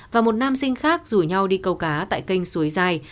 và một nam sinh khác rủ nhau đi câu cá tại kênh suối dài